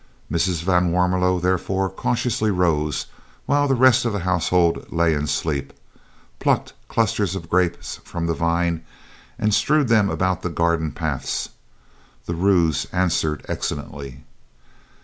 Mrs. van Warmelo therefore cautiously rose, while the rest of the household lay in sleep, plucked clusters of grapes from the vines and strewed them about the garden paths. The ruse answered excellently.